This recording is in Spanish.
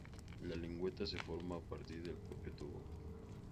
La lengüeta se forma a partir del propio tubo.